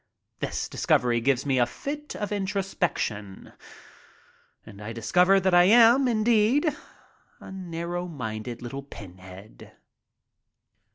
This discovery gives me a fit of introspection and I discover that I am, indeed, a narrow minded Httle pinhead.